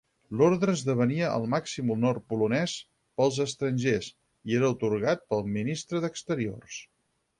L'Orde esdevenia el màxim honor polonès pels estrangers, i era atorgat pel Ministre d'Exteriors.